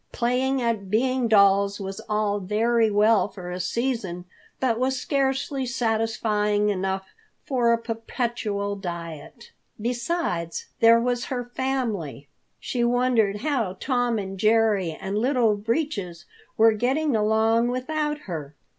Playing at being dolls was all very well for a season, but was scarcely satisfying enough for a perpetual diet. Besides, there was her family. She wondered how Tom and Jerry and Little Breeches were getting along without her.